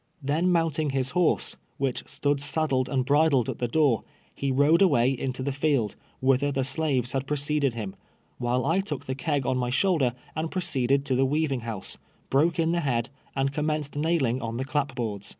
Then mounting his horse, Avliich stood saddled and bridled at the door, he rode away into the field, whither the slaves had i)receded him, while I took the keg on my shoulder, and pro ceeding to the weaving house, broke in the head, and commenced nailing on the clapboards.